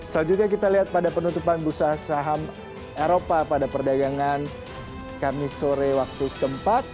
selanjutnya kita lihat pada penutupan bursa saham eropa pada perdagangan kamis sore waktu setempat